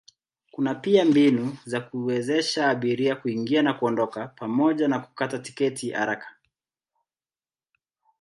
Kuna pia mbinu za kuwezesha abiria kuingia na kuondoka pamoja na kukata tiketi haraka.